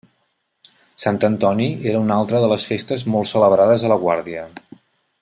Sant Antoni era una altra de les festes molt celebrades a la Guàrdia.